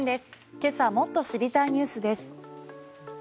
今朝もっと知りたいニュースです。